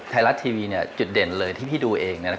ไทรัตท์ทีวีจุดเด่นเลยที่พี่ดูเองนะครับ